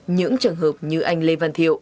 những trường hợp như anh lê văn thiệu